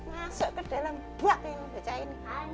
masuk ke dalam buk yang saya ini